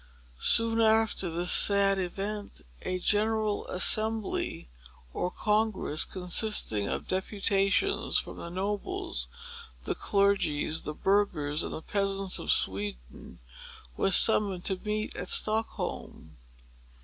Soon after this sad event, a General Assembly, or Congress, consisting of deputations from the nobles, the clergy, the burghers, and the peasants of Sweden was summoned to meet at Stockholm.